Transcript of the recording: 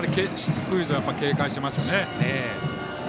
スクイズは警戒しますね。